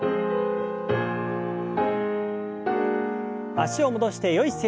脚を戻してよい姿勢に。